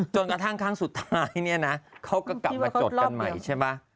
กระทั่งครั้งสุดท้ายเนี่ยนะเขาก็กลับมาจดกันใหม่ใช่ไหม